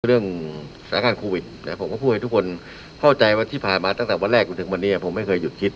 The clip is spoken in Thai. เรื่องสถานการณ์โควิดผมก็พูดให้ทุกคนเข้าใจว่าที่ผ่านมาตั้งแต่วันแรกจนถึงวันนี้ผมไม่เคยหยุดคิด